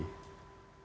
tentu beliau menafsirkan